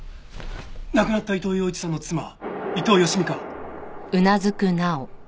亡くなった伊藤洋市さんの妻伊藤佳美か？